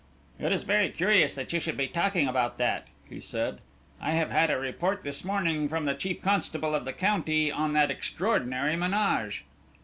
"It is very curious that you should be talking about that," he said. "I have had a report this morning from the chief constable of the county on that extraordinary menage."